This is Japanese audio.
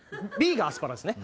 Ｂがアスパラですね。